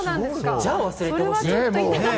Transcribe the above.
じゃあ忘れてほしい。